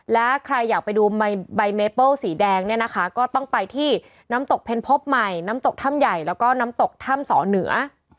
และใครอยากไปดูใบเมเปิ้ลสีแดงเนี่ยนะคะก็ต้องไปที่น้ำตกเพ็ญพบใหม่น้ำตกถ้ำใหญ่แล้วก็น้ำตกถ้ำสอเหนือ